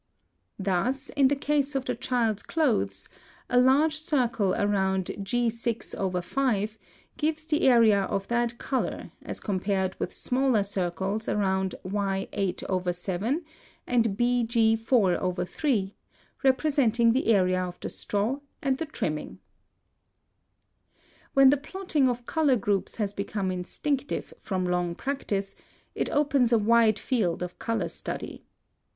Thus, in the case of the child's clothes, a large circle around G 6/5 gives the area of that color as compared with smaller circles around Y 8/7 and BG 4/3, representing the area of the straw and the trimming. (174) When the plotting of color groups has become instinctive from long practice, it opens a wide field of color study.